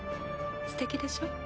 すてきでしょ？